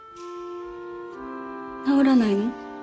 治らないの？